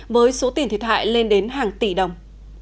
với số tiền thiệt hại lên đến hàng tỷ đồng